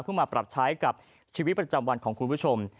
เพื่อมาปรับใช้กับชีวิตประจำวันของคุณผู้ชม